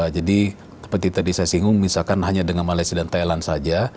jadi seperti tadi saya singgung misalkan hanya dengan malaysia dan thailand saja